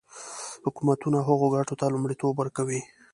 حکومتونه هغو ګټو ته لومړیتوب ورکوي.